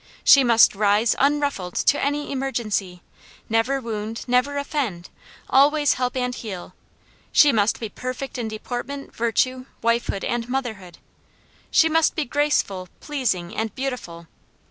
She must rise unruffled to any emergency, never wound, never offend, always help and heal, she must be perfect in deportment, virtue, wifehood and motherhood. She must be graceful, pleasing and beautiful.